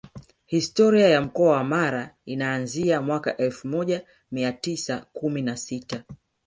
Historia ya Mkoa wa Mara inaanzia mwaka elfu moja mia tisa kumi na sita